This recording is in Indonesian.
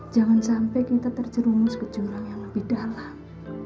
jangan sampai kita terjerumus ke jurang yang lebih dalam